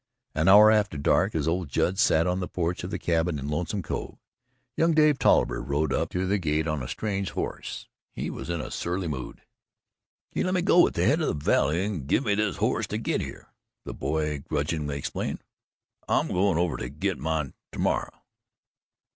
An hour after dark, as old Judd sat on the porch of the cabin in Lonesome Cove, young Dave Tolliver rode up to the gate on a strange horse. He was in a surly mood. "He lemme go at the head of the valley and give me this hoss to git here," the boy grudgingly explained. "I'm goin' over to git mine termorrer."